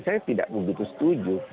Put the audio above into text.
saya tidak begitu setuju